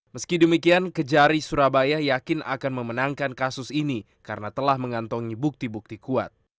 meski demikian kejari surabaya yakin akan memenangkan kasus ini karena telah mengantongi bukti bukti kuat